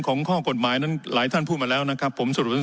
ข้อกฎหมายนั้นหลายท่านพูดมาแล้วนะครับผมสรุปว่า